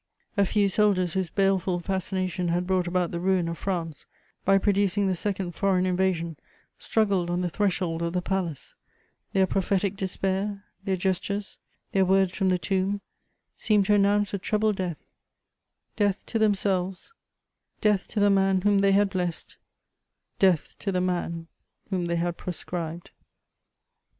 A few soldiers whose baleful fascination had brought about the ruin of France, by producing the second foreign invasion, struggled on the threshold of the palace; their prophetic despair, their gestures, their words from the tomb, seemed to announce a treble death: death to themselves, death to the man whom they had blessed, death to the man whom they had proscribed.